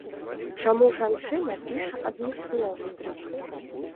Чаму жанчына піша адмыслова?